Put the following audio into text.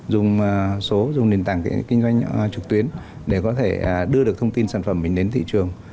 dùng số dùng nền tảng kinh doanh trực tuyến để có thể đưa được thông tin sản phẩm mình đến thị trường